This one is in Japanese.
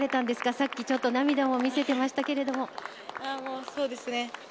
さっきちょっと涙も見せていましたが。